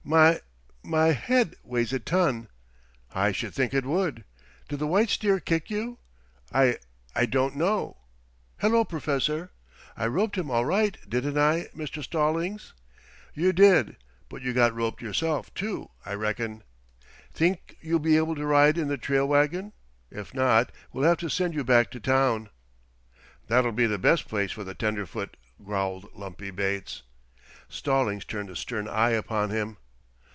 "My my head weighs a ton." "I should think it would. Did the white steer kick you?" "I I don't know. Hello, Professor. I roped him all right, didn't I, Mr. Stallings?" "You did. But you got roped yourself, too, I reckon. Think you'll be able to ride in the trail wagon? If not we'll have to send you back to town." "That'll be the best place for the tenderfoot," growled Lumpy Bates. Stallings turned a stern eye upon him.